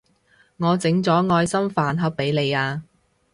我整咗愛心飯盒畀你啊